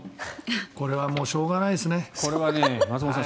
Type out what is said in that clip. これはもう男はしょうがないですね。